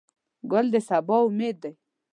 ګل د سبا امید دی.